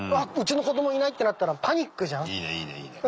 いいねいいねいいね。